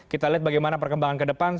kita lihat bagaimana perkembangan ke depan